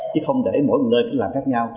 chứ không để mỗi nơi làm khác nhau